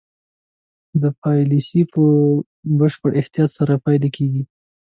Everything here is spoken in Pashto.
دا پالیسي په بشپړ احتیاط سره پلي کېږي.